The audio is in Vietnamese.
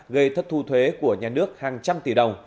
gây thất thu thuế của nhà nước hàng trăm tỷ đồng